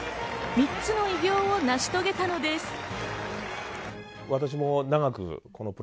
３つの偉業を成し遂げたのです。